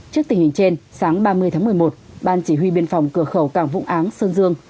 trước tình hình trên sáng ba mươi tháng một mươi một ban chỉ huy biên phòng cửa khẩu cảng vũng áng sơn dương